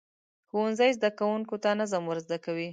ښوونځی زده کوونکو ته نظم ورزده کوي.